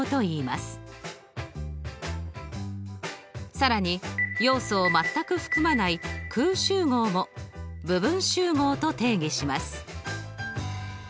更に要素を全く含まない空集合も部分集合と定義します。